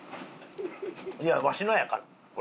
いやわしのやからこれ。